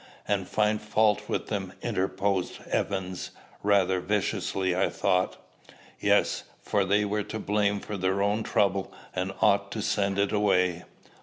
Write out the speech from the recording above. "And find fault with them," interposed Evans, rather viciously I thought. "Yes; for they were to blame for their own trouble, and ought to send it away."